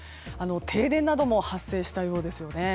停電なども発生したようです。